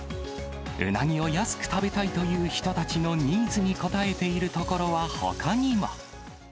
うなぎを安く食べたいという人たちのニーズに応えているところはほかにも。